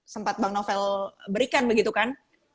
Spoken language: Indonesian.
sempat bang novel berikan begitu kan